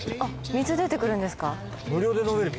水出てくるんですか？